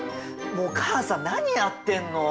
もう母さん何やってんの！